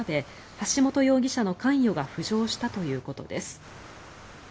橋本容疑者の関与が浮上したということです。